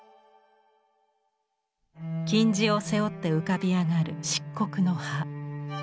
金地を背負って浮かび上がる漆黒の葉。